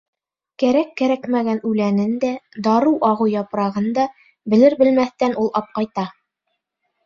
Кәрәк-кәрәкмәгән үләнен дә, дарыу-ағыу япрағын да белер-белмәҫтән ул апҡайта.